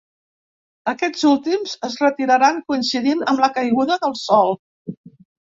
Aquests últims es retiraran coincidint amb la caiguda del sol.